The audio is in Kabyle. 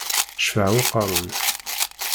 Ccfaɛ uqerru-k!